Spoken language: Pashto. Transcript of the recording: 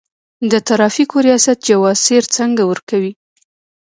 د ترافیکو ریاست جواز سیر څنګه ورکوي؟